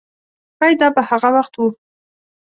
ښایي دا به هغه وخت و.